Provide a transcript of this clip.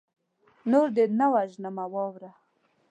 نور دې نه وژنمه واوره